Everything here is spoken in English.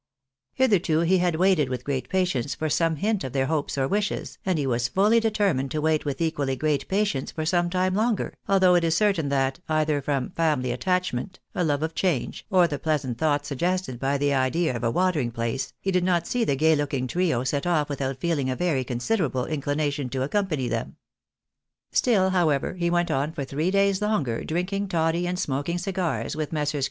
Hitherto he had waited with great patience for some hint of their hopes or wishes, and he was fully determined to wait with equally great patience for some time longer, although it is certain that, either from family attachment, a love of change, or the pleasant thoughts suggested by the idea of a watering place, he did not see the gay looking trio set off without feeling a very considerable inclination to accompany them. Still, however, he went on for three days longer drinking toddy and smoking cigars with Messrs.